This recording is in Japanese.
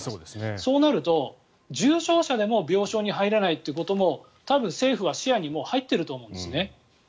そうなると、重症者でも病床に入れないということも多分、政府は視野にもう入っていると思うんですね。